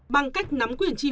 bằng cách nắm quyền trả lời